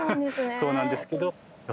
そうなんですけどよ